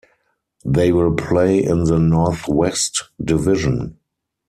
They will play in the Northwest Division.